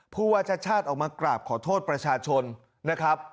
ผู้ว่าชาติชาติออกมากราบขอโทษประชาชนนะครับ